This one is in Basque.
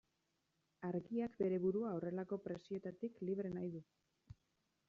Argiak bere burua horrelako presioetatik libre nahi du.